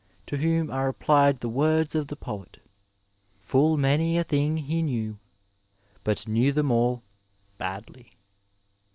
to whom are applied the words of tiie poet: — Fall many a thing he knew; But knew them all badly.